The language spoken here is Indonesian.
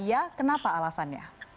jika iya kenapa alasannya